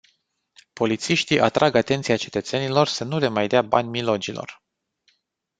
Polițiștii atrag atenția cetățenilor să nu le mai dea bani milogilor.